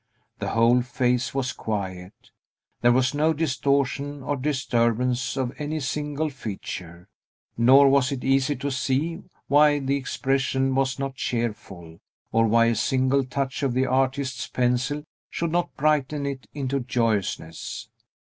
The whole face was quiet; there was no distortion or disturbance of any single feature; nor was it easy to see why the expression was not cheerful, or why a single touch of the artist's pencil should not brighten it into joyousness.